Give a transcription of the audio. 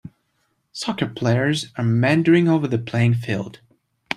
Soccer players are meandering over the playing field